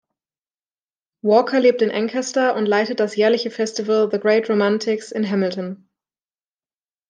Walker lebt in Ancaster und leitet das jährliche Festival "The Great Romantics" in Hamilton.